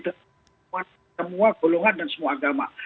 semua golongan dan semua agama